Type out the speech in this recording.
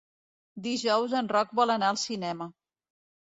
Dijous en Roc vol anar al cinema.